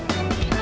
terima kasih pak